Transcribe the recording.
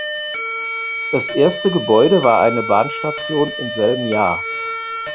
Das erste Gebäude war eine Bahnstation im selben Jahr.